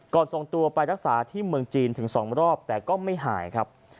ส่งตัวไปรักษาที่เมืองจีนถึง๒รอบแต่ก็ไม่หายครับ